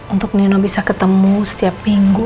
untuk nino bisa ketemu setiap minggu